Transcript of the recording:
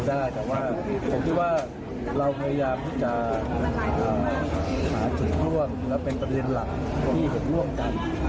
ได้แต่ว่าผมคิดว่าเราพยายามที่จะหาจุดร่วมและเป็นประเด็นหลักที่เห็นร่วมกัน